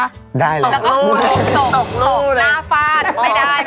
ตกรูเลยได้ละตกตกหน้าฝาดไม่ได้